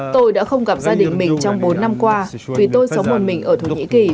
tôi đã không gặp gia đình mình trong bốn năm qua vì tôi sống một mình ở thổ nhĩ kỳ